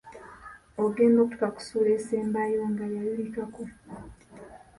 Ogenda okutuuka ku ssuula esembayo nga yayulikako!